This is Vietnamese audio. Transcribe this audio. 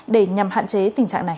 để nhằm hạn chế tình trạng này